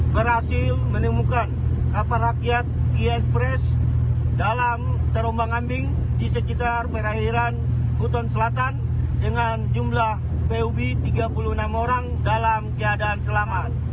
berhasil menemukan kapal rakyat gspres dalam terombang ambing di sekitar perairan hutan selatan dengan jumlah pob tiga puluh enam orang dalam keadaan selamat